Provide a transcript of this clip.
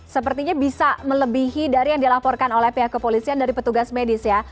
sepertinya bisa melebihi dari yang dilaporkan oleh pihak kepolisian dari petugas medis ya